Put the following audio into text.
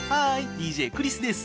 ＤＪクリスです。